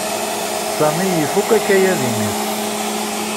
Sami ifuk akayad-nnes.